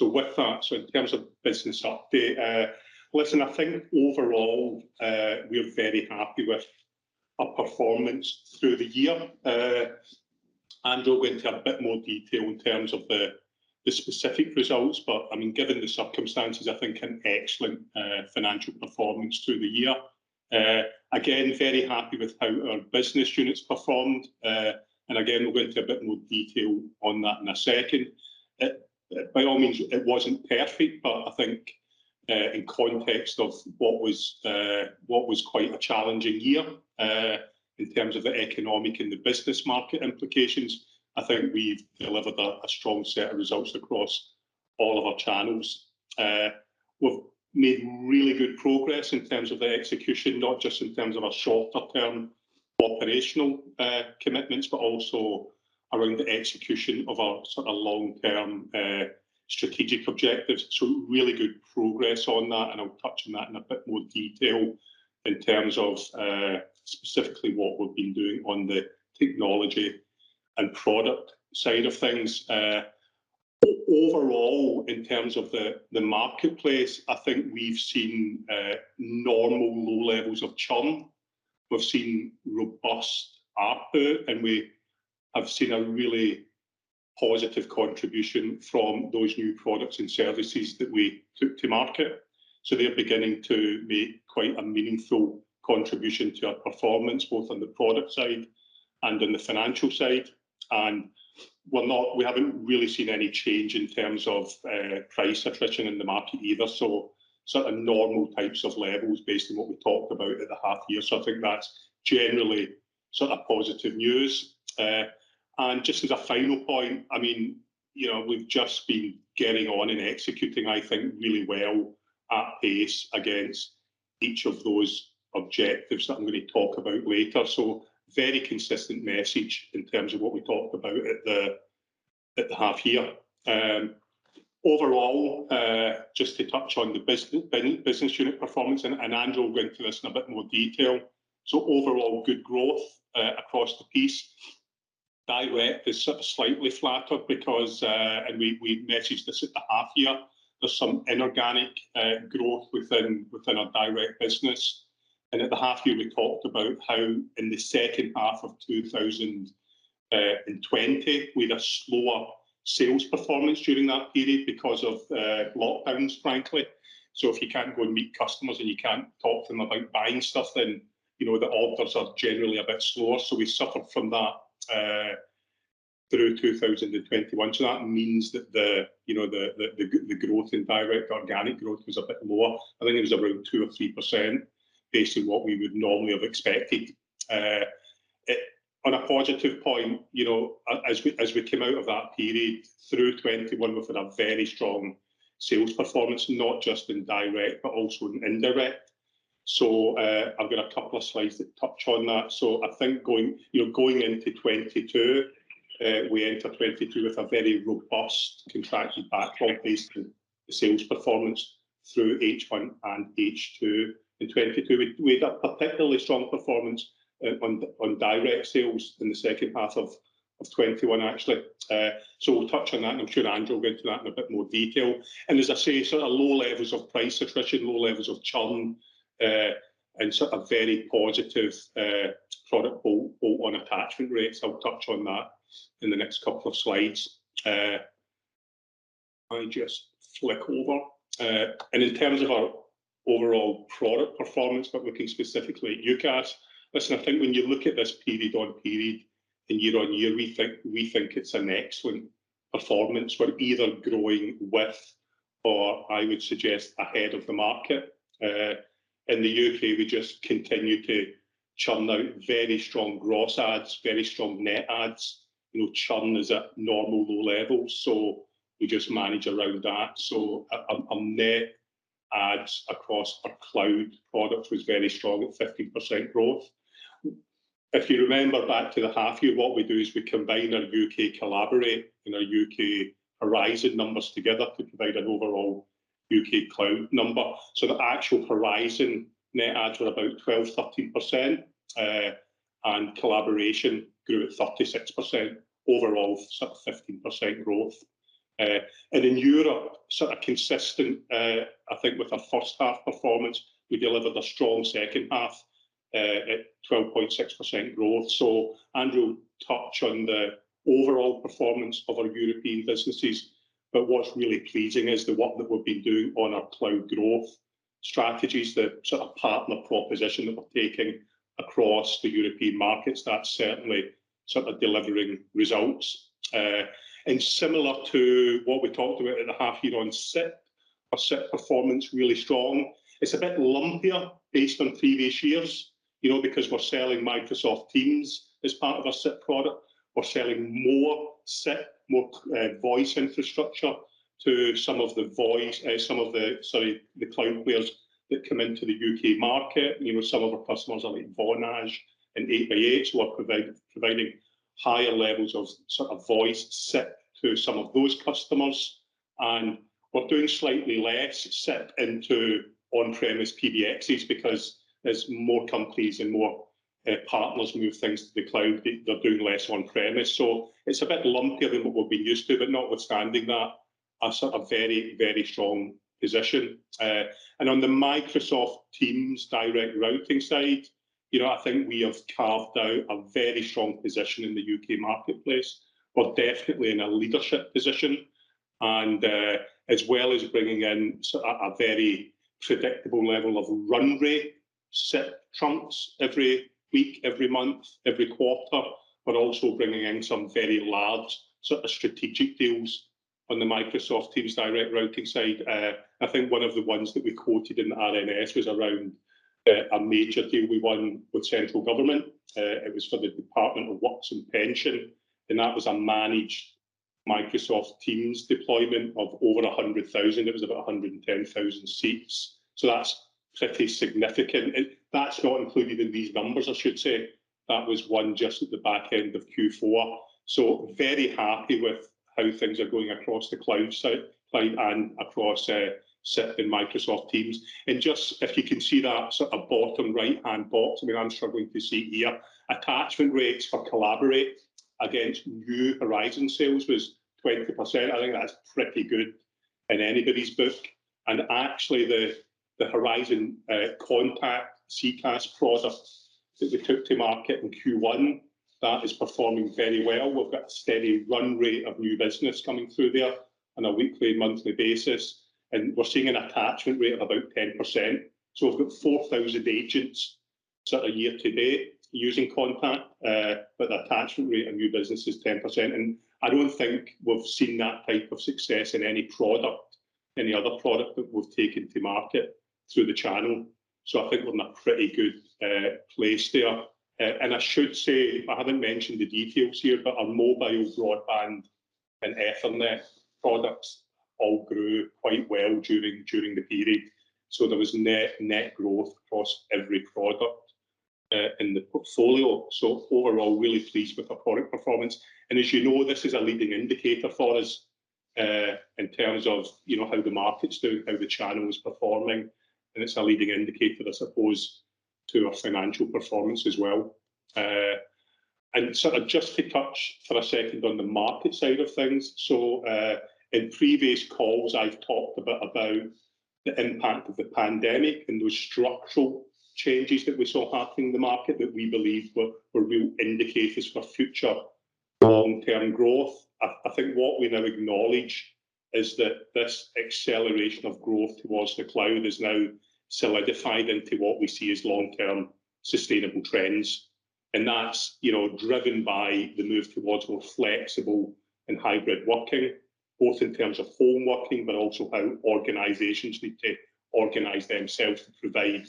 With that, in terms of business update, listen, I think overall, we're very happy with our performance through the year. Andrew will go into a bit more detail in terms of the specific results, but I mean, given the circumstances, I think an excellent financial performance through the year. Again, very happy with how our business units performed. Again, we'll go into a bit more detail on that in a second. By all means it wasn't perfect, but I think, in context of what was quite a challenging year, in terms of the economic and the business market implications, I think we've delivered a strong set of results across all of our channels. We've made really good progress in terms of the execution, not just in terms of our shorter-term operational commitments, but also around the execution of our sort of long-term strategic objectives. Really good progress on that, and I'll touch on that in a bit more detail in terms of specifically what we've been doing on the technology and product side of things. Overall, in terms of the marketplace, I think we've seen normal low levels of churn. We've seen robust output, and we have seen a really positive contribution from those new products and services that we took to market. They're beginning to make quite a meaningful contribution to our performance, both on the product side and on the financial side. We haven't really seen any change in terms of price attrition in the market either. Sort of normal types of levels based on what we talked about at the half year. I think that's generally sort of positive news. Just as a final point, I mean, you know, we've just been getting on and executing, I think, really well at pace against each of those objectives that I'm gonna talk about later. Very consistent message in terms of what we talked about at the half year. Overall, just to touch on the business unit performance, and Andrew will go into this in a bit more detail. Overall good growth across the piece. Direct is sort of slightly flattered because and we messaged this at the half year. There's some inorganic growth within our Direct business. At the half year, we talked about how in the second half of 2020, we had a slower sales performance during that period because of lockdowns, frankly. If you can't go and meet customers, and you can't talk to them about buying stuff, then you know the orders are generally a bit slower. We suffered from that through 2021. That means that you know the growth in direct organic growth was a bit lower. I think it was around 2 or 3% based on what we would normally have expected. On a positive point, as we came out of that period through 2021, we've had a very strong sales performance, not just in Direct but also in Indirect. I've got a couple of slides that touch on that. I think going into 2022, we enter 2022 with a very robust contracted backlog based on the sales performance through H1 and H2. In 2022 we had a particularly strong performance on direct sales in the second half of 2021, actually. We'll touch on that and I'm sure Andrew will go into that in a bit more detail. As I say, sort of low levels of price attrition, low levels of churn, and sort of very positive product both on attachment rates. I'll touch on that in the next couple of slides. If I just flick over. In terms of our overall product performance, but looking specifically at UCaaS. Listen, I think when you look at this period-on-period and year-on-year, we think it's an excellent performance. We're either growing with or I would suggest ahead of the market. In the U.K. we just continue to churn out very strong gross adds, very strong net adds. You know, churn is at normal low levels, so we just manage around that. Our net adds across our cloud products was very strong at 15% growth. If you remember back to the half year, what we do is we combine our U.K. Collaborate and our U.K. Horizon numbers together to provide an overall U.K. cloud number. The actual Horizon net adds were about 12%-13%. Collaboration grew at 36%. Overall, 15% growth. In Europe, consistent with our first half performance, we delivered a strong second half at 12.6% growth. Andrew will touch on the overall performance of our European businesses. What's really pleasing is the work that we've been doing on our cloud growth strategies, the partner proposition that we're taking across the European markets. That's certainly delivering results. Similar to what we talked about at the half year on SIP. Our SIP performance is really strong. It's a bit lumpier based on previous years, you know, because we're selling Microsoft Teams as part of our SIP product. We're selling more SIP, more voice infrastructure to some of the cloud players that come into the U.K. market. You know, some of our customers are like Vonage and 8x8. We're providing higher levels of sort of voice SIP to some of those customers. We're doing slightly less SIP into on-premise PBXes because as more companies and more partners move things to the cloud, they're doing less on-premise. It's a bit lumpier than what we'll be used to. Notwithstanding that, a sort of very, very strong position. On the Microsoft Teams direct routing side, you know, I think we have carved out a very strong position in the U.K. marketplace. We're definitely in a leadership position and as well as bringing in a very predictable level of run rate SIP trunks every week, every month, every quarter, but also bringing in some very large sort of strategic deals on the Microsoft Teams direct routing side. I think one of the ones that we quoted in the RNS was around a major deal we won with central government. It was for the Department for Work and Pensions, and that was a managed Microsoft Teams deployment of over 100,000. It was about 110,000 seats, so that's pretty significant. That's not included in these numbers, I should say. That was won just at the back end of Q4. Very happy with how things are going across the cloud side, cloud and across SIP and Microsoft Teams. Just if you can see that sort of bottom right-hand box, I mean, I'm struggling to see here, attachment rates for Collaborate against new Horizon sales was 20%. I think that's pretty good in anybody's book. Actually the Horizon Contact CCaaS product that we took to market in Q1, that is performing very well. We've got a steady run rate of new business coming through there on a weekly and monthly basis, and we're seeing an attachment rate of about 10%. We've got 4,000 agents sort of year to date using Contact, but the attachment rate of new business is 10%, and I don't think we've seen that type of success in any product, any other product that we've taken to market through the channel. I think we're in a pretty good place there. I should say, I haven't mentioned the details here, but our mobile broadband and Ethernet products all grew quite well during the period. There was net growth across every product in the portfolio. Overall, really pleased with the product performance, and as you know this is a leading indicator for us in terms of you know how the market's doing, how the channel is performing, and it's a leading indicator I suppose to our financial performance as well. Sort of just to touch for a second on the market side of things. In previous calls I've talked a bit about the impact of the pandemic and those structural changes that we saw happening in the market that we believe were real indicators for future long-term growth. I think what we now acknowledge is that this acceleration of growth towards the cloud is now solidified into what we see as long-term sustainable trends, and that's, you know, driven by the move towards more flexible and hybrid working, both in terms of home working, but also how organizations need to organize themselves to provide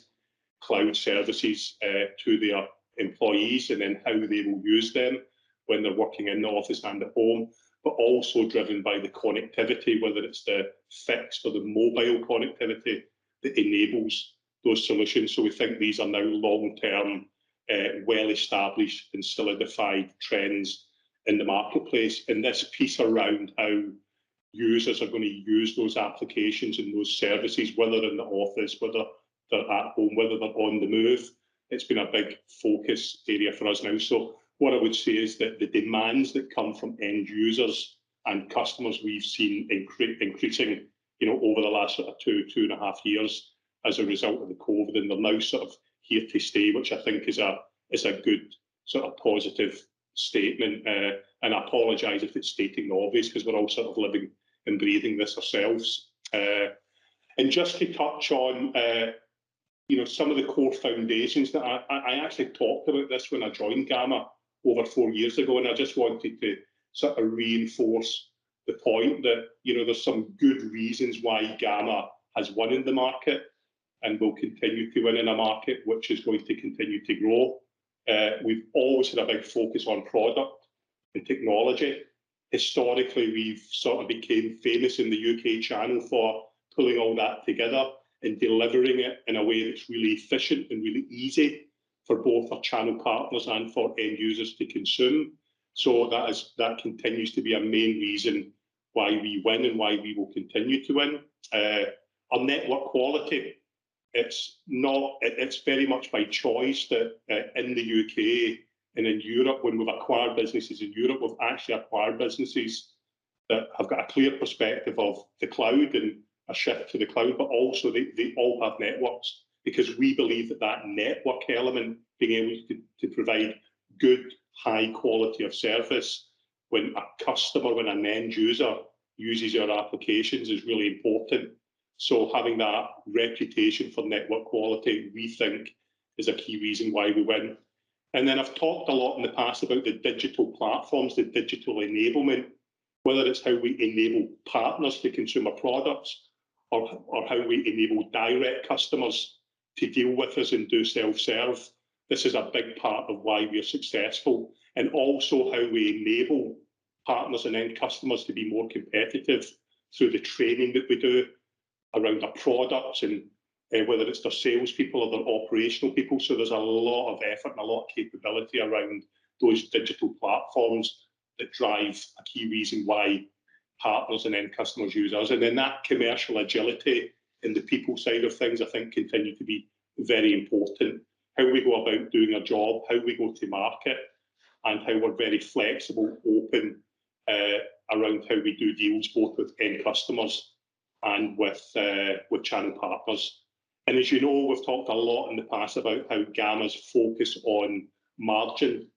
cloud services to their employees and then how they will use them when they're working in the office and at home. But also driven by the connectivity, whether it's the fixed or the mobile connectivity that enables those solutions. We think these are now long-term, well-established and solidified trends in the marketplace. This piece around how users are going to use those applications and those services, whether they're in the office, whether they're at home, whether they're on the move, it's been a big focus area for us now. What I would say is that the demands that come from end users and customers we've seen increasing, you know, over the last sort of two and a half years as a result of the COVID and they're now sort of here to stay, which I think is a good sort of positive statement. I apologize if it's stating the obvious because we're all sort of living and breathing this ourselves. Just to touch on, you know, some of the core foundations that I actually talked about this when I joined Gamma over four years ago, and I just wanted to sort of reinforce the point that, you know, there's some good reasons why Gamma has won in the market and will continue to win in a market which is going to continue to grow. We've always had a big focus on product and technology. Historically, we've sort of became famous in the U.K. channel for pulling all that together and delivering it in a way that's really efficient and really easy for both our channel partners and for end users to consume. That continues to be a main reason why we win and why we will continue to win. Our network quality, it's very much by choice that, in the U.K. and in Europe, when we've acquired businesses in Europe, we've actually acquired businesses that have got a clear perspective of the cloud and a shift to the cloud. Also they all have networks because we believe that network element, being able to provide good high quality of service when a customer, when an end user uses your applications is really important. Having that reputation for network quality, we think is a key reason why we win. I've talked a lot in the past about the digital platforms, the digital enablement, whether it's how we enable partners to consume our products or how we enable direct customers to deal with us and do self-serve. This is a big part of why we are successful and also how we enable partners and end customers to be more competitive through the training that we do around our products and whether it's their salespeople or their operational people. There's a lot of effort and a lot of capability around those digital platforms that drive a key reason why partners and end customers use us. That commercial agility in the people side of things, I think continue to be very important. How we go about doing a job, how we go to market, and how we're very flexible, open, around how we do deals both with end customers and with channel partners. As you know, we've talked a lot in the past about how Gamma's focus on margin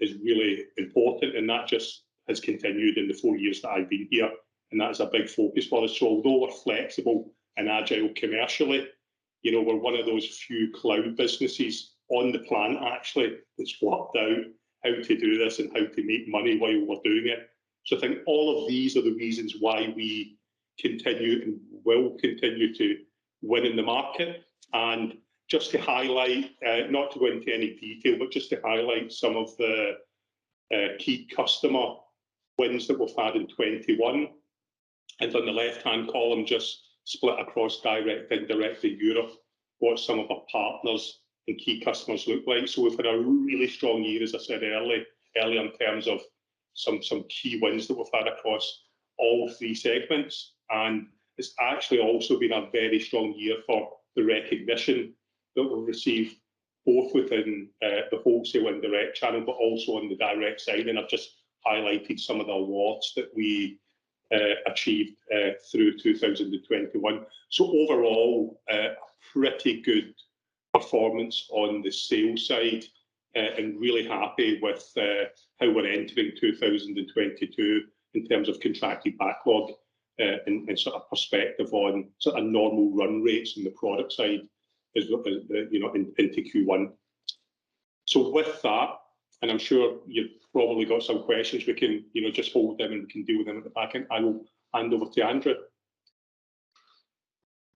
is really important, and that just has continued in the four years that I've been here, and that is a big focus for us. Although we're flexible and agile commercially, you know, we're one of those few cloud businesses on the planet actually that's worked out how to do this and how to make money while we're doing it. I think all of these are the reasons why we continue and will continue to win in the market. Just to highlight, not to go into any detail, but just to highlight some of the key customer wins that we've had in 2021. On the left-hand column, just split across direct and indirect to Europe, what some of our partners and key customers look like. We've had a really strong year, as I said early in terms of some key wins that we've had across all three segments. It's actually also been a very strong year for the recognition that we've received both within the wholesale and direct channel, but also on the direct side. I've just highlighted some of the awards that we achieved through 2021. Overall, a pretty good performance on the sales side, and really happy with how we're entering 2022 in terms of contracted backlog, and sort of perspective on sort of normal run rates on the product side is, you know, into Q1. With that, and I'm sure you've probably got some questions, we can just hold them and we can deal with them at the back end. I will hand over to Andrew.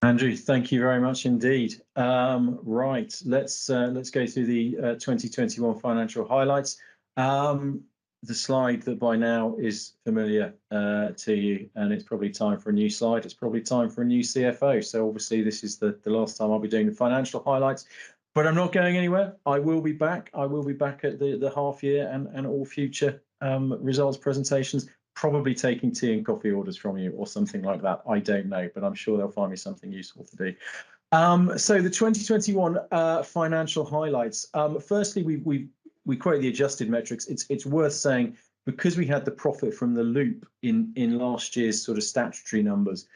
Andrew, thank you very much indeed. Right. Let's go through the 2021 financial highlights. The slide that by now is familiar to you, and it's probably time for a new slide. It's probably time for a new CFO. Obviously this is the last time I'll be doing the financial highlights. But I'm not going anywhere. I will be back at the half year and all future results presentations, probably taking tea and coffee orders from you or something like that. I don't know, but I'm sure they'll find me something useful to do. The 2021 financial highlights. Firstly, we quote the adjusted metrics. It's worth saying because we had the profit from The Loop in last year's sort of statutory numbers,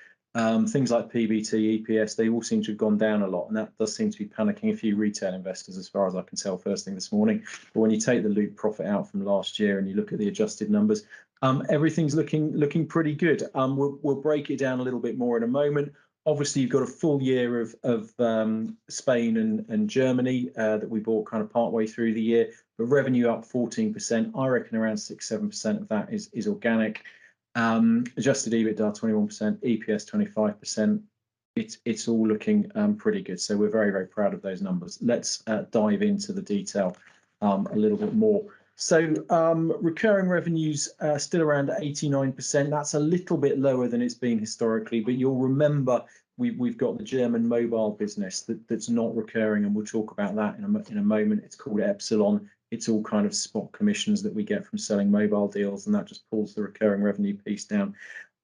things like PBT, EPS, they all seem to have gone down a lot, and that does seem to be panicking a few retail investors as far as I can tell first thing this morning. When you take The Loop profit out from last year and you look at the adjusted numbers, everything's looking pretty good. We'll break it down a little bit more in a moment. Obviously, you've got a full-year of Spain and Germany that we bought kind of partway through the year. Revenue up 14%. I reckon around 6%-7% of that is organic. Adjusted EBITDA 21%. EPS 25%. It's all looking pretty good. We're very, very proud of those numbers. Let's dive into the detail a little bit more. Recurring revenues are still around 89%. That's a little bit lower than it's been historically, but you'll remember we've got the German Mobile business that's not recurring, and we'll talk about that in a moment. It's called Epsilon. It's all kind of spot commissions that we get from selling mobile deals, and that just pulls the recurring revenue piece down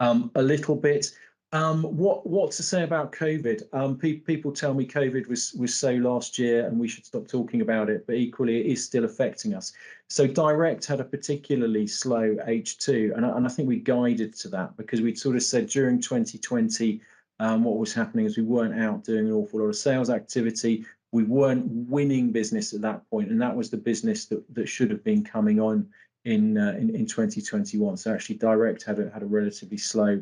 a little bit. What to say about COVID? People tell me COVID was so last year and we should stop talking about it, but equally it is still affecting us. Direct had a particularly slow H2, and I think we guided to that because we'd sort of said during 2020, what was happening is we weren't out doing an awful lot of sales activity. We weren't winning business at that point, and that was the business that should have been coming on in 2021. Actually direct had a relatively slow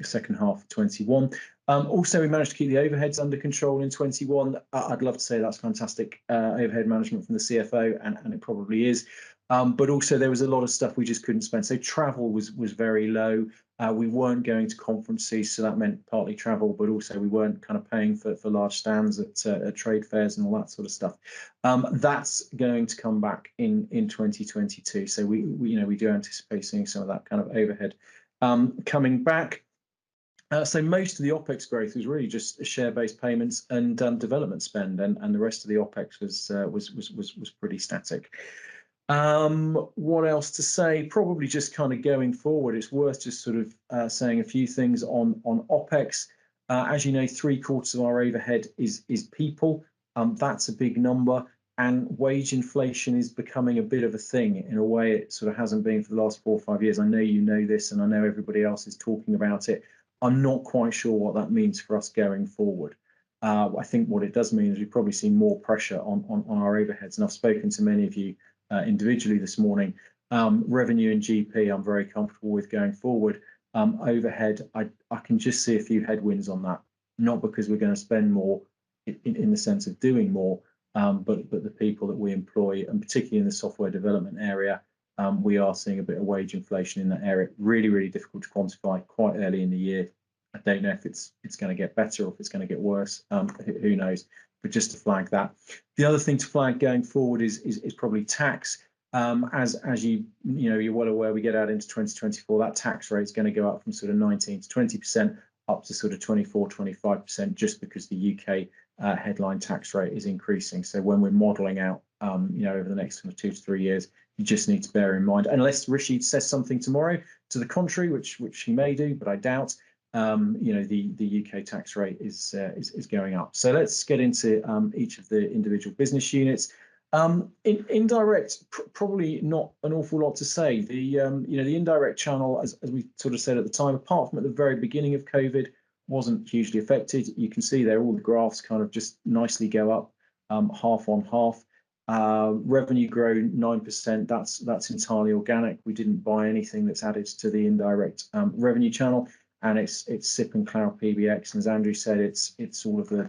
second half of 2021. Also we managed to keep the overheads under control in 2021. I'd love to say that's fantastic overhead management from the CFO, and it probably is. But also there was a lot of stuff we just couldn't spend. Travel was very low. We weren't going to conferences, so that meant partly travel, but also we weren't kind of paying for large stands at trade fairs and all that sort of stuff. That's going to come back in 2022. We do anticipate seeing some of that kind of overhead coming back. Most of the OpEx growth was really just share-based payments and development spend and the rest of the OpEx was pretty static. What else to say? Probably just kind of going forward, it's worth just sort of saying a few things on OpEx. As you know, three-quarters of our overhead is people. That's a big number, and wage inflation is becoming a bit of a thing in a way it sort of hasn't been for the last four or five years. I know you know this, and I know everybody else is talking about it. I'm not quite sure what that means for us going forward. I think what it does mean is we've probably seen more pressure on our overheads, and I've spoken to many of you individually this morning. Revenue and GP, I'm very comfortable with going forward. Overhead, I can just see a few headwinds on that, not because we're gonna spend more in the sense of doing more, but the people that we employ, and particularly in the software development area, we are seeing a bit of wage inflation in that area. Really difficult to quantify quite early in the year. I don't know if it's gonna get better or if it's gonna get worse. Who knows? Just to flag that. The other thing to flag going forward is probably tax. As you know, you're well aware, we get out into 2024, that tax rate's gonna go up from sort of 19%-20% up to sort of 24%-25% just because the U.K. headline tax rate is increasing. So when we're modeling out, you know, over the next sort of 2-3 years, you just need to bear in mind. Unless Rishi says something tomorrow to the contrary, which he may do, but I doubt the U.K. tax rate is going up. Let's get into each of the individual business units. In Indirect, probably not an awful lot to say. The you know, the Indirect channel, as we sort of said at the time, apart from at the very beginning of COVID, wasn't hugely affected. You can see there all the graphs kind of just nicely go up, half-on-half. Revenue grown 9%. That's entirely organic. We didn't buy anything that's added to the Indirect revenue channel, and it's SIP and Cloud PBX, and as Andrew said, it's all of the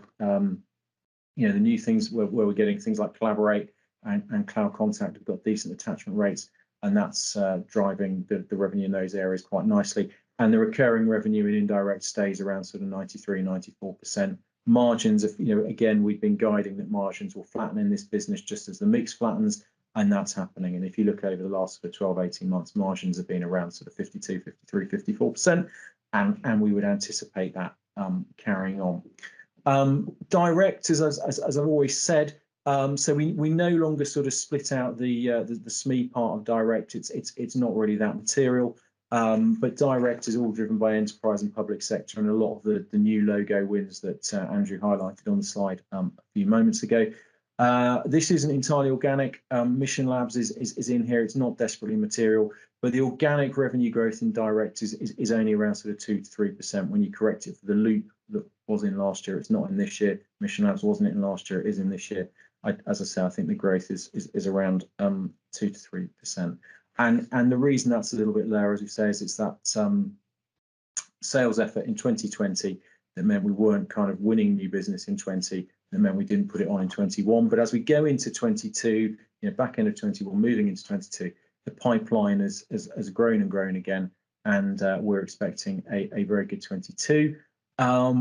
you know, the new things where we're getting things like Collaborate and Horizon Contact have got decent attachment rates, and that's driving the revenue in those areas quite nicely. The recurring revenue in indirect stays around sort of 93%-94%. Margins, you know, again, we've been guiding that margins will flatten in this business just as the mix flattens, and that's happening. If you look over the last sort of 12, 18 months, margins have been around sort of 52%, 53%, 54%, and we would anticipate that carrying on. Direct is as I've always said, so we no longer sort of split out the SME part of Direct. It's not really that material. Direct is all driven by enterprise and public sector, and a lot of the new logo wins that Andrew highlighted on the slide a few moments ago. This isn't entirely organic. Mission Labs is in here. It's not desperately material, but the organic revenue growth in Direct is only around sort of 2%-3% when you correct it for the Loop that was in last year. It's not in this year. Mission Labs wasn't in last year. It is in this year. As I say, I think the growth is around 2%-3%. The reason that's a little bit lower, as we say, is it's that sales effort in 2020 that meant we weren't kind of winning new business in 2020, and meant we didn't put it on in 2021. As we go into 2022, you know, back end of 2021, moving into 2022, the pipeline has grown and grown again, and we're expecting a very good 2022.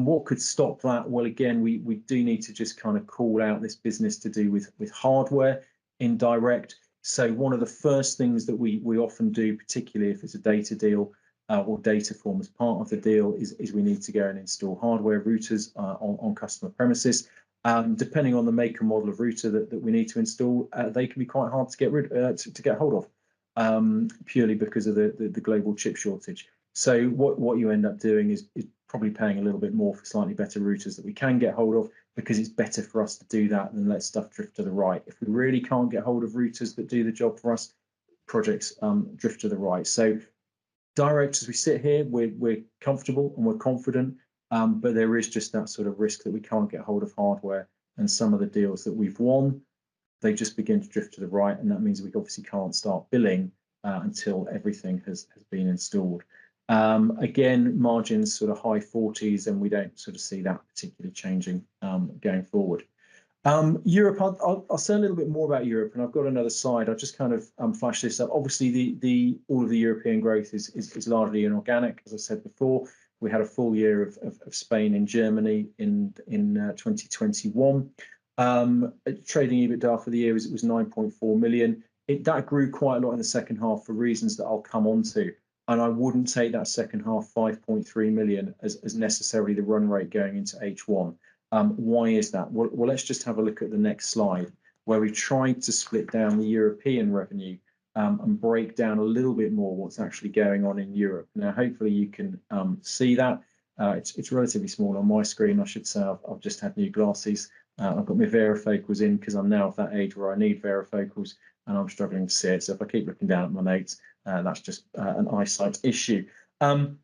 What could stop that? Well, again, we do need to just kind of call out this business to do with hardware Indirect. One of the first things that we often do, particularly if it's a data deal or data form as part of the deal, is we need to go and install hardware routers on customer premises. Depending on the make or model of router that we need to install, they can be quite hard to get hold of purely because of the global chip shortage. What you end up doing is probably paying a little bit more for slightly better routers that we can get hold of because it's better for us to do that than let stuff drift to the right. If we really can't get hold of routers that do the job for us, projects drift to the right. Direct, as we sit here, we're comfortable, and we're confident, but there is just that sort of risk that we can't get hold of hardware and some of the deals that we've won, they just begin to drift to the right, and that means we obviously can't start billing until everything has been installed. Again, margins sort of high 40s%, and we don't sort of see that particularly changing going forward. Europe, I'll say a little bit more about Europe, and I've got another slide. I've just kind of flashed this up. Obviously all of the European growth is largely inorganic. As I said before, we had a full-year of Spain and Germany in 2021. Trading EBITDA for the year was 9.4 million. That grew quite a lot in the second half for reasons that I'll come onto, and I wouldn't take that second half, 5.3 million, as necessarily the run rate going into H1. Why is that? Let's just have a look at the next slide, where we've tried to split down the European revenue, and break down a little bit more what's actually going on in Europe. Now, hopefully you can see that. It's relatively small on my screen, I should say. I've just had new glasses. I've got my varifocals in 'cause I'm now of that age where I need varifocals, and I'm struggling to see it. If I keep looking down at my notes, that's just an eyesight issue. What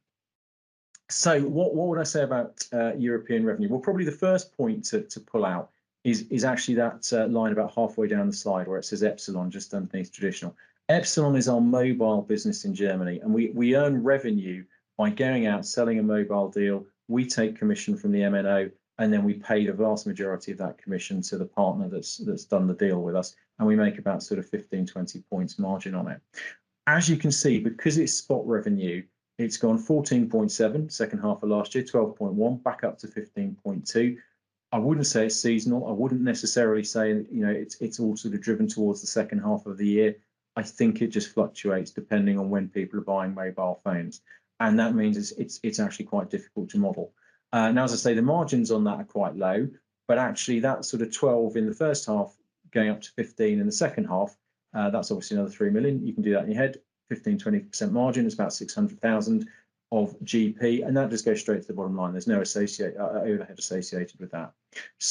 would I say about European revenue? Well, probably the first point to pull out is actually that line about halfway down the slide where it says Epsilon just underneath traditional. Epsilon is our mobile business in Germany, and we earn revenue by going out selling a mobile deal. We take commission from the MNO, and then we pay the vast majority of that commission to the partner that's done the deal with us, and we make about sort of 15-20 points margin on it. As you can see, because it's spot revenue, it's gone 14.7 million second half of last year, 12.1 million, back up to 15.2 million. I wouldn't say it's seasonal. I wouldn't necessarily say, you know, it's all sort of driven towards the second half of the year. I think it just fluctuates depending on when people are buying mobile phones, and that means it's actually quite difficult to model. Now, as I say, the margins on that are quite low, but actually that sort of 12 in the first half going up to 15% in the second half, that's obviously another 3 million. You can do that in your head. 15%-20% margin is about 600,000 of GP, and that just goes straight to the bottom line. There's no associate overhead associated with that.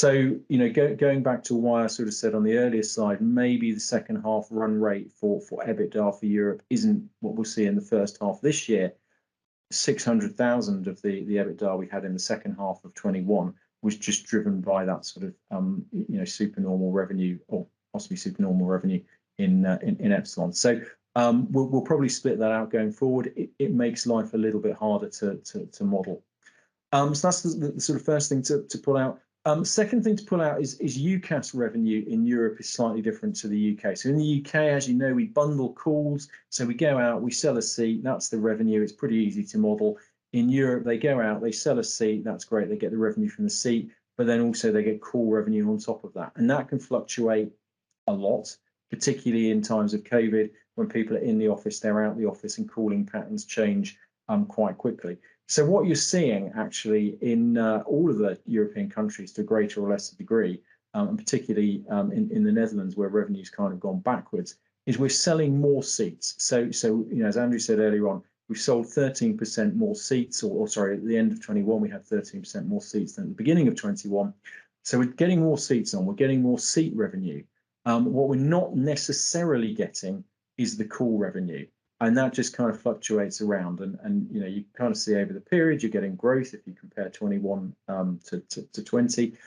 You know, going back to what I sort of said on the earlier slide, maybe the second half run rate for EBITDA for Europe isn't what we'll see in the first half this year. 600,000 of the EBITDA we had in the second half of 2021 was just driven by that sort of, you know, supernormal revenue or possibly supernormal revenue in Epsilon. We'll probably split that out going forward. It makes life a little bit harder to model. That's the sort of first thing to pull out. Second thing to pull out is UCaaS revenue in Europe is slightly different to the U.K. In the U.K., as you know, we bundle calls. We go out, we sell a seat, that's the revenue. It's pretty easy to model. In Europe, they go out, they sell a seat, that's great, they get the revenue from the seat, but then also they get call revenue on top of that. That can fluctuate a lot, particularly in times of COVID when people are in the office, they're out the office, and calling patterns change quite quickly. What you're seeing actually in all of the European countries to a greater or lesser degree, and particularly in the Netherlands where revenue's kind of gone backwards, is we're selling more seats. You know, as Andrew said earlier on, we sold 13% more seats or sorry, at the end of 2021 we had 13% more seats than the beginning of 2021. We're getting more seats on, we're getting more seat revenue. What we're not necessarily getting is the call revenue, and that just kind of fluctuates around, and you know, you kind of see over the period you're getting growth if you compare 2021 to 2020.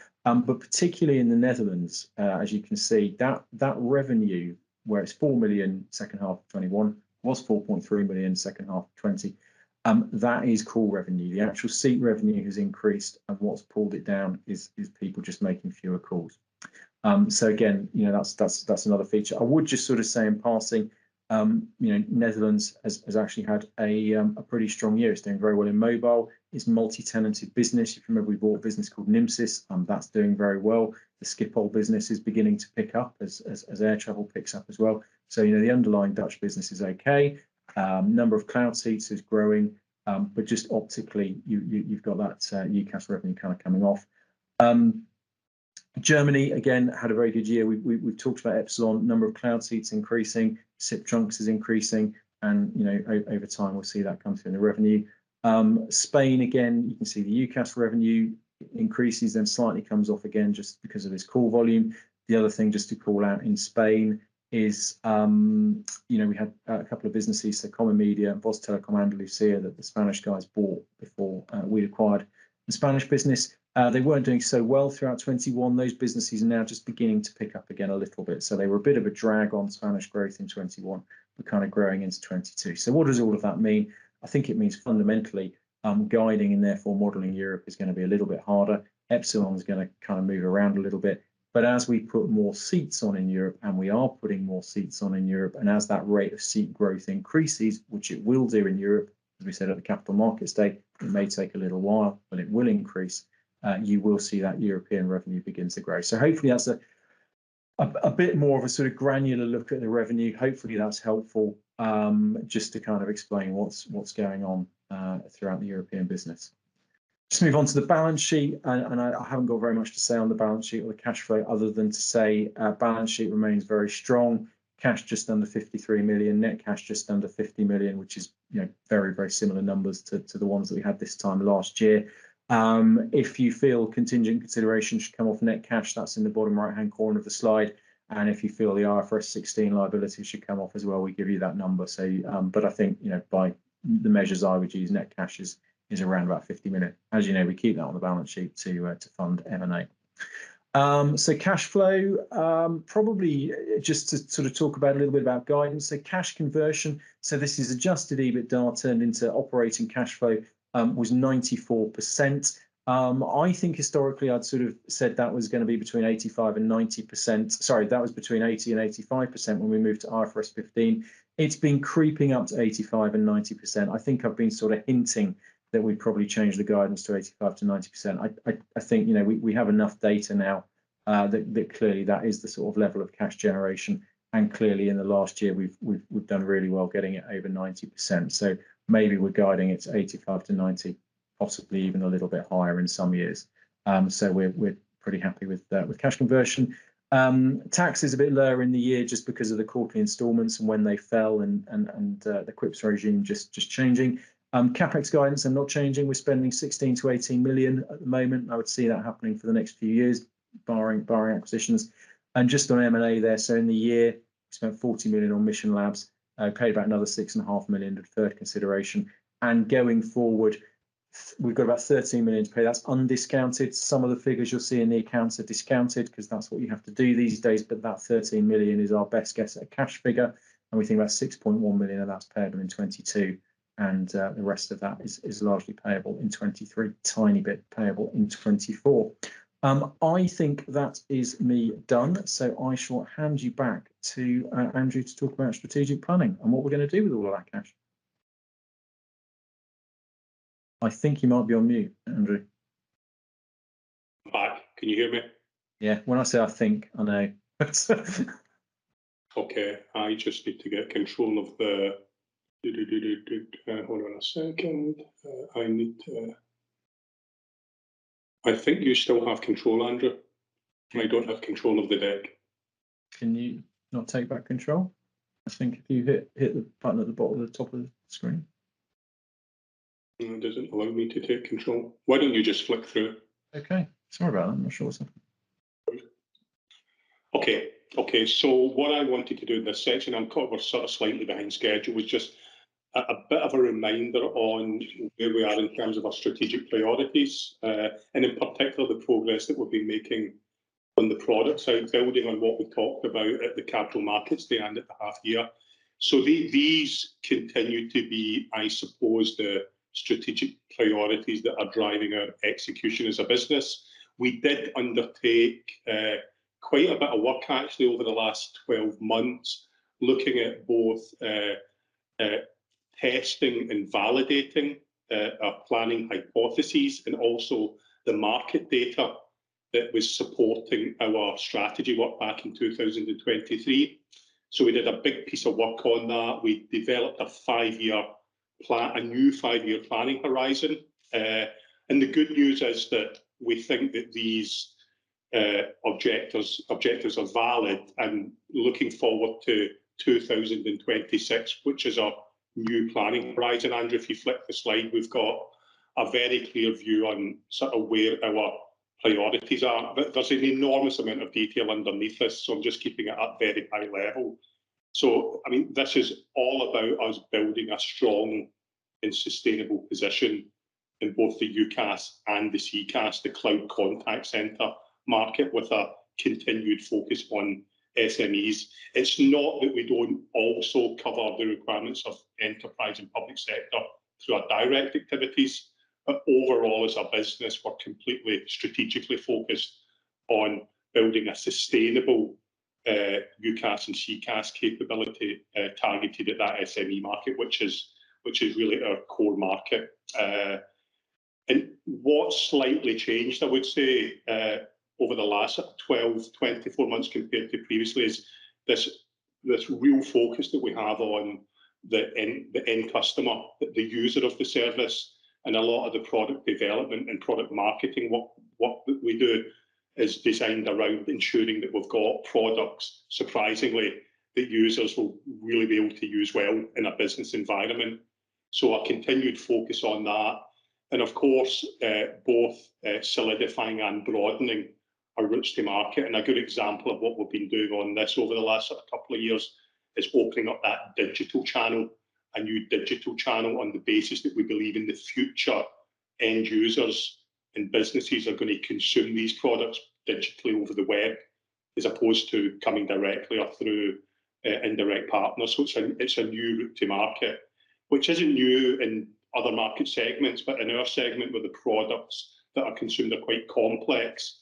Particularly in the Netherlands, as you can see, that revenue where it's 4 million second half of 2021, was 4.3 million second half of 2020, that is call revenue. The actual seat revenue has increased and what's pulled it down is people just making fewer calls. Again, you know, that's another feature. I would just sort of say in passing, you know, Netherlands has actually had a pretty strong year. It's doing very well in mobile. It's multi-tenanted business. If you remember, we bought a business called Nimsys, and that's doing very well. The Schiphol business is beginning to pick up as air travel picks up as well. You know, the underlying Dutch business is okay. Number of cloud seats is growing. But just optically, you've got that UCaaS revenue kind of coming off. Germany again had a very good year. We've talked about Epsilon, number of cloud seats increasing, SIP trunks is increasing and, you know, over time we'll see that come through in the revenue. Spain, again, you can see the UCaaS revenue increases then slightly comes off again just because of its call volume. The other thing just to call out in Spain is, you know, we had a couple of businesses, so Comsmedia and VozTelecom Andalucía that the Spanish guys bought before we acquired the Spanish business. They weren't doing so well throughout 2021. Those businesses are now just beginning to pick up again a little bit. They were a bit of a drag on Spanish growth in 2021, but kind of growing into 2022. What does all of that mean? I think it means fundamentally, guiding and therefore modeling Europe is gonna be a little bit harder. Epsilon is gonna kind of move around a little bit. As we put more seats on in Europe, and we are putting more seats on in Europe, and as that rate of seat growth increases, which it will do in Europe, as we said at the Capital Markets Day, it may take a little while, but it will increase, you will see that European revenue begins to grow. Hopefully that's a bit more of a sort of granular look at the revenue. Hopefully that's helpful, just to kind of explain what's going on throughout the European business. Just move on to the balance sheet and I haven't got very much to say on the balance sheet or the cash flow other than to say our balance sheet remains very strong. Cash just under 53 million, net cash just under 50 million, which is, you know, very similar numbers to the ones that we had this time last year. If you feel contingent consideration should come off net cash, that's in the bottom right-hand corner of the slide. If you feel the IFRS 16 liability should come off as well, we give you that number. I think, you know, by the measures I would use, net cash is around about 50 million. As you know, we keep that on the balance sheet to fund M&A. Cash flow, probably just to sort of talk about a little bit about guidance. Cash conversion, this is adjusted EBITDA turned into operating cash flow, was 94%. I think historically I'd sort of said that was gonna be between 85%-90%. Sorry, that was between 80%-85% when we moved to IFRS 15. It's been creeping up to 85%-90%. I think I've been sort of hinting that we'd probably change the guidance to 85%-90%. I think, you know, we have enough data now that clearly that is the sort of level of cash generation, and clearly in the last year we've done really well getting it over 90%. Maybe we're guiding it to 85%-90%, possibly even a little bit higher in some years. We're pretty happy with cash conversion. Tax is a bit lower in the year just because of the quarterly installments and when they fell and the QIPs regime just changing. CapEx guidance I'm not changing. We're spending 16 million-18 million at the moment, and I would see that happening for the next few years barring acquisitions. Just on M&A there, in the year we spent 40 million on Mission Labs, paid about another 6.5 million deferred consideration. Going forward we've got about 13 million to pay. That's undiscounted. Some of the figures you'll see in the accounts are discounted 'cause that's what you have to do these days, but that 13 million is our best guess at a cash figure. We think about 6.1 million of that's paid in 2022, and the rest of that is largely payable in 2023. Tiny bit payable in 2024. I think that is me done. I shall hand you back to Andrew to talk about strategic planning and what we're gonna do with all of that cash. I think you might be on mute, Andrew. I'm back. Can you hear me? Yeah. When I say I think, I know. Okay. I just need to get control of the. Hold on a second. I need to. I think you still have control, Andrew. I don't have control of the deck. Can you not take back control? I think if you hit the button at the top of the screen. It doesn't allow me to take control. Why don't you just flick through? Okay. Sorry about that. Not sure what's happening. What I wanted to do in this section, we're sort of slightly behind schedule, was just a bit of a reminder on where we are in terms of our strategic priorities, and in particular the progress that we've been making on the product side, building on what we talked about at the Capital Markets Day and at the half year. These continue to be, I suppose, the strategic priorities that are driving our Execution as a business. We did undertake quite a bit of work actually over the last 12 months, looking at both testing and validating our planning hypotheses and also the market data that was supporting our strategy work back in 2023. We did a big piece of work on that. We developed a five-year plan, a new five-year planning horizon. The good news is that we think that these objectives are valid and looking forward to 2026, which is our new planning horizon. Andrew, if you flip the slide, we've got a very clear view on sort of where our priorities are. There's an enormous amount of detail underneath this, so I'm just keeping it at very high level. I mean, this is all about us building a strong and sustainable position in both the UCaaS and the CCaaS, the cloud contact center market, with a continued focus on SMEs. It's not that we don't also cover the requirements of enterprise and public sector through our direct activities. Overall as a business, we're completely strategically focused on building a sustainable UCaaS and CCaaS capability targeted at that SME market which is really our core market. What's slightly changed, I would say, over the last 12, 24 months compared to previously is this real focus that we have on the end customer, the user of the service, and a lot of the product development and product marketing. What we do is designed around ensuring that we've got products, surprisingly, that users will really be able to use well in a business environment. A continued focus on that and of course, both solidifying and broadening our routes to market. A good example of what we've been doing on this over the last couple of years is opening up that digital channel, a new digital channel, on the basis that we believe in the future, end users and businesses are gonna consume these products digitally over the web, as opposed to coming directly or through indirect partners. It's a, it's a new route to market, which isn't new in other market segments, but in our segment with the products that are consumed are quite complex.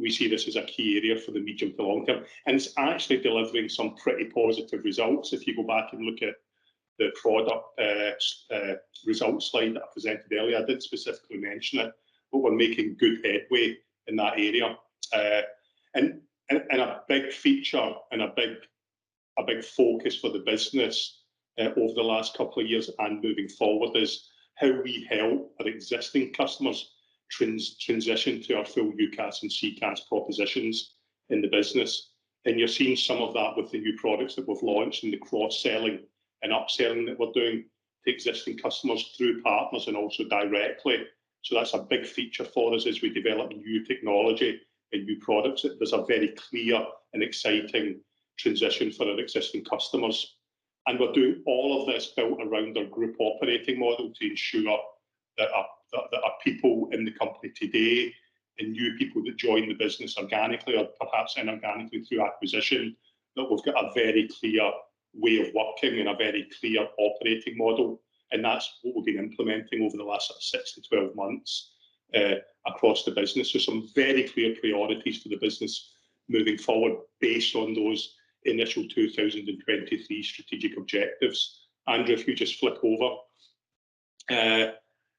We see this as a key area for the medium to long-term, and it's actually delivering some pretty positive results. If you go back and look at the product results slide that I presented earlier, I did specifically mention it, but we're making good headway in that area. A big feature and a big focus for the business over the last couple of years and moving forward is how we help our existing customers transition to our full UCaaS and CCaaS propositions in the business. You're seeing some of that with the new products that we've launched and the cross-selling and upselling that we're doing to existing customers through partners and also directly. That's a big feature for us as we develop new technology and new products. There's a very clear and exciting transition for our existing customers, and we're doing all of this built around our group operating model to ensure that our people in the company today and new people that join the business organically or perhaps inorganically through acquisition, that we've got a very clear way of working and a very clear operating model, and that's what we've been implementing over the last sort of 6-12 months across the business. There's some very clear priorities for the business moving forward based on those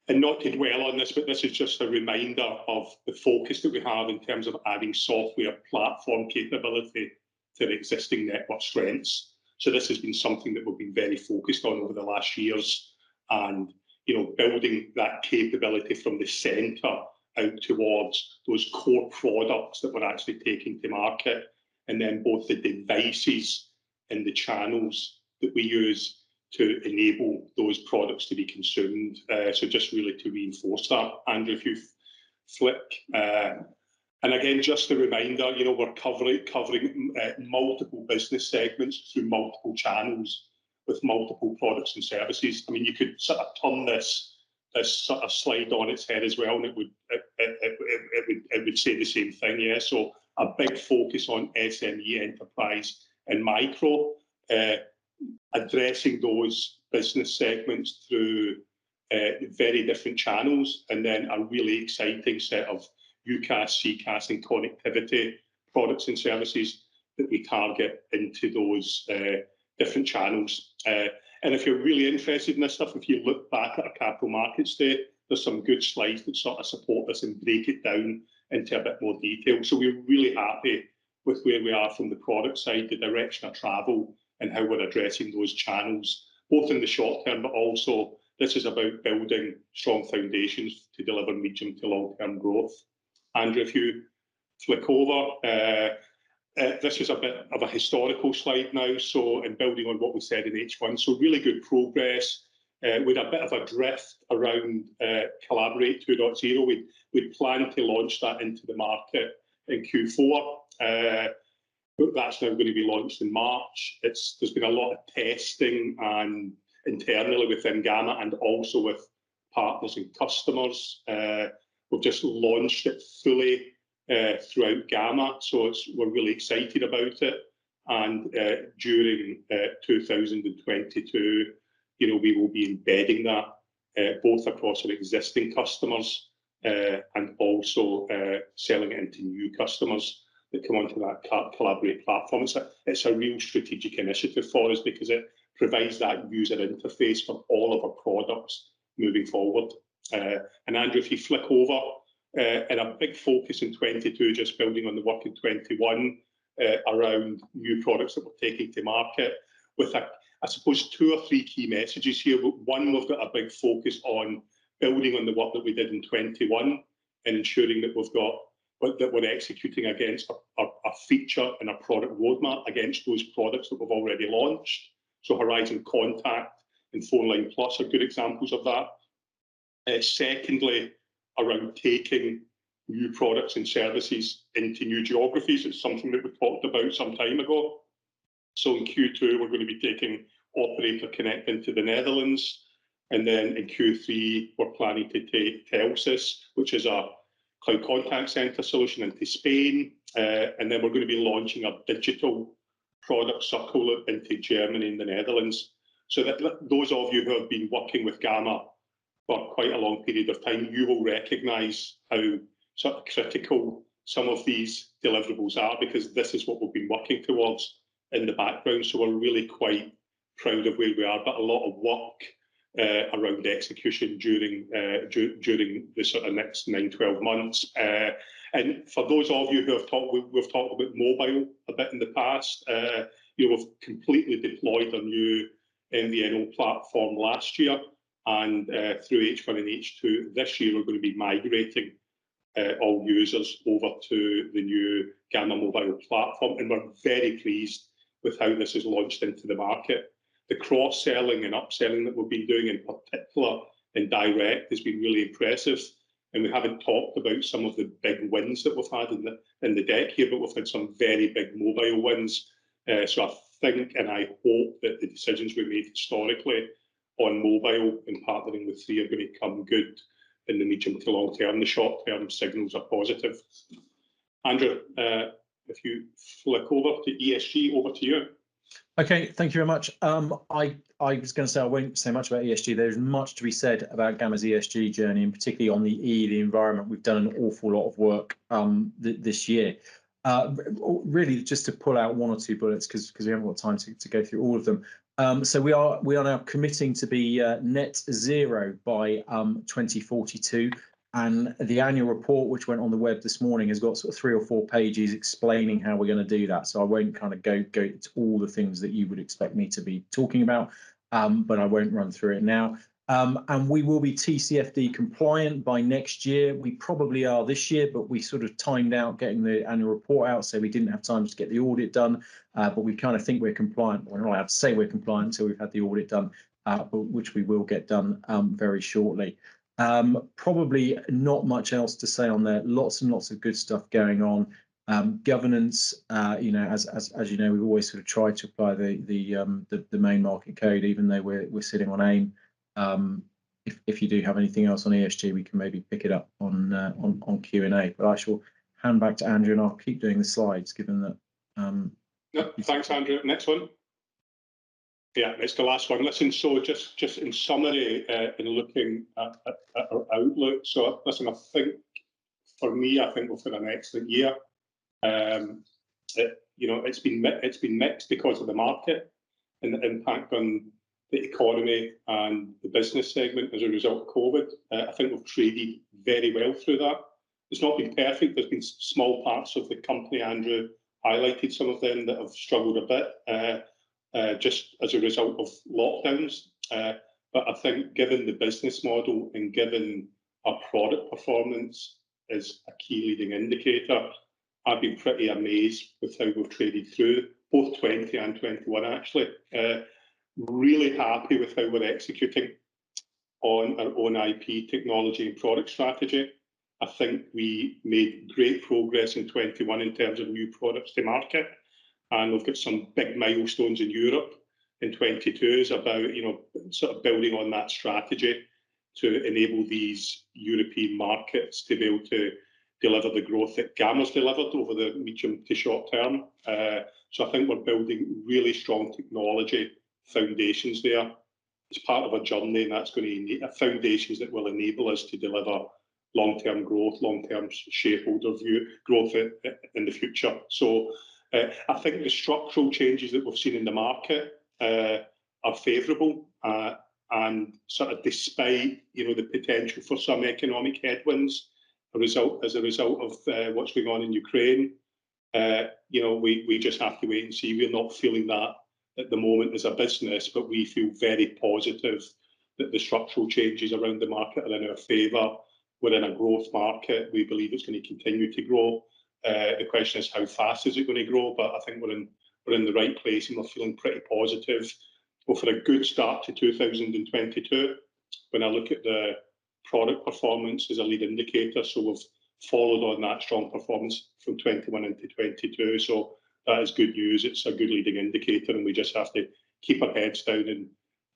initial 2023 strategic objectives. Andrew, if you just flip over. Not to dwell on this, but this is just a reminder of the focus that we have in terms of adding software platform capability to the existing network strengths. This has been something that we've been very focused on over the last years. You know, building that capability from the center out towards those core products that we're actually taking to market, and then both the devices and the channels that we use to enable those products to be consumed. Just really to reinforce that. Andrew, if you flick. Again, just a reminder, you know, we're covering multiple business segments through multiple channels with multiple products and services. I mean, you could sort of turn this sort of slide on its head as well, and it would say the same thing, yeah. A big focus on SME, enterprise and micro, addressing those business segments through very different channels. Then a really exciting set of UCaaS, CCaaS and connectivity products and services that we target into those different channels. If you're really interested in this stuff, if you look back at our Capital Markets Day, there's some good slides that sort of support this and break it down into a bit more detail. We're really happy with where we are from the product side, the direction of travel, and how we're addressing those channels, both in the short-term, but also this is about building strong foundations to deliver medium to long-term growth. Andrew, if you flick over. This is a bit of a historical slide now. Building on what we said in H1. Really good progress. We had a bit of a drift around Collaborate 2.0. We'd planned to launch that into the market in Q4. That's now gonna be launched in March. There's been a lot of testing internally within Gamma and also with partners and customers. We've just launched it fully throughout Gamma, so we're really excited about it. During 2022, you know, we will be embedding that both across our existing customers and also selling it into new customers that come onto that Collaborate platform. So it's a real strategic initiative for us because it provides that user interface for all of our products moving forward. Andrew, if you flick over, and a big focus in 2022, just building on the work in 2021, around new products that we're taking to market with, I suppose, two or three key messages here. One, we've got a big focus on building on the work that we did in 2021 and ensuring that we're executing against a feature and a product roadmap against those products that we've already launched. Horizon Contact and PhoneLine+ are good examples of that. Secondly, around taking new products and services into new geographies. It's something that we talked about some time ago. In Q2, we're gonna be taking Operator Connect into the Netherlands. Then in Q3, we're planning to take Telsis, which is our cloud contact center solution, into Spain. Then we're gonna be launching a digital product Circle into Germany and the Netherlands. Those of you who have been working with Gamma for quite a long period of time, you will recognize how sort of critical some of these deliverables are because this is what we've been working towards in the background, so we're really quite proud of where we are. A lot of work around execution during the sort of next 9, 12 months. We've talked about mobile a bit in the past. We have completely deployed a new MVNO platform last year, and through H1 and H2 this year, we're gonna be migrating all users over to the new Gamma Mobile platform, and we're very pleased with how this has launched into the market. The cross-selling and upselling that we've been doing, in particular in direct, has been really impressive, and we haven't talked about some of the big wins that we've had in the deck here, but we've had some very big mobile wins. I think, and I hope that the decisions we made historically on mobile and partnering with Three are gonna come good in the medium to long-term. The short-term signals are positive. Andrew, if you flick over to ESG. Over to you. Okay. Thank you very much. I was gonna say, I won't say much about ESG. There is much to be said about Gamma's ESG journey, and particularly on the E, the environment. We've done an awful lot of work this year. Really just to pull out one or two bullets 'cause we haven't got time to go through all of them. We are now committing to be net zero by 2042. The Annual Report, which went on the web this morning, has got sort of three or four pages explaining how we're gonna do that. I won't kind of go into all the things that you would expect me to be talking about, but I won't run through it now. We will be TCFD compliant by next year. We proAably are this year, but we sort of timed out getting the annual Report out, so we didn't have time to get the audit done. But we kinda think we're compliant. We're not allowed to say we're compliant until we've had the audit done, but which we will get done, very shortly. Probably not much else to say on there. Lots and lots of good stuff going on. Governance, you know, as you know, we've always sort of tried to apply the main market code, even though we're sitting on AIM. If you do have anything else on ESG, we can maybe pick it up on Q&A. I shall hand back to Andrew, and I'll keep doing the slides given that. Yep. Thanks, Andrew. Next one. Yeah, it's the last one. Listen, just in summary, in looking at our outlook. Listen, I think for me, we've had an excellent year. You know, it's been mixed because of the market and the impact on the economy and the business segment as a result of COVID. I think we've traded very well through that. It's not been perfect. There's been small parts of the company, Andrew highlighted some of them, that have struggled a bit, just as a result of lockdowns. But I think given the business model and given our product performance as a key leading indicator, I've been pretty amazed with how we've traded through both 2020 and 2021, actually. Really happy with how we're executing on our own IP technology and product strategy. I think we made great progress in 2021 in terms of new products to market, and we've got some big milestones in Europe, and 2022 is about, you know, sort of building on that strategy to enable these European markets to be able to deliver the growth that Gamma's delivered over the medium to short-term. I think we're building really strong technology foundations there as part of a journey, foundations that will enable us to deliver long-term growth, long-term shareholder value growth in the future. I think the structural changes that we've seen in the market are favorable. Sort of despite, you know, the potential for some economic headwinds, as a result. As a result of what's going on in Ukraine, you know, we just have to wait and see. We're not feeling that at the moment as a business, but we feel very positive that the structural changes around the market are in our favor. We're in a growth market. We believe it's gonna continue to grow. The question is how fast is it gonna grow? I think we're in the right place, and we're feeling pretty positive. We've had a good start to 2022. When I look at the product performance as a lead indicator, we've followed on that strong performance from 2021 into 2022, so that is good news. It's a good leading indicator, and we just have to keep our heads down and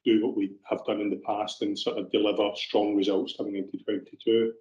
do what we have done in the past and sort of deliver strong results coming into 2022.